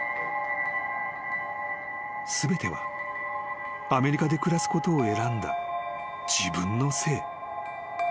［全てはアメリカで暮らすことを選んだ自分のせい］